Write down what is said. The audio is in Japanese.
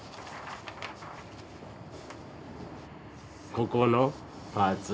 ここのパーツ。